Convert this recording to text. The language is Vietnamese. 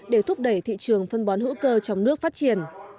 để thúc đẩy thị trường phân bón hữu cơ trong nước phát triển